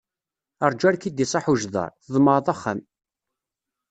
Ṛǧu ar k-id-iṣaḥ ujdaṛ, tḍemɛeḍ axxam!